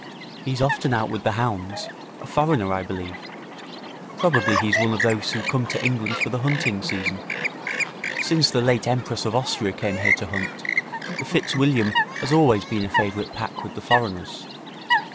'He's often out with the hounds a foreigner, I believe. Probably he's one of those who come to England for the hunting season. Since the late Empress of Austria came here to hunt, the Fitzwilliam has always been a favourite pack with the foreigners.'